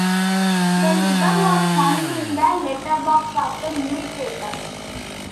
The libel was found in the letter-box of the newspaper.